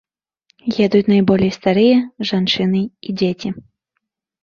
Едуць найболей старыя, жанчыны і дзеці.